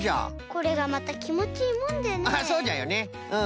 これがまたきもちいいもんでねえ。